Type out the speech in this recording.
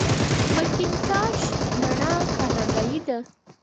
مکینټاش مڼه کاناډايي ده.